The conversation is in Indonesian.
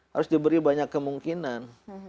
harus diberi banyak kemungkinan